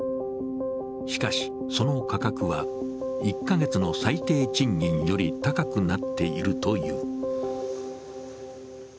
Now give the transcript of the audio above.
しかし、その価格は１カ月の最低賃金より高くなっているという。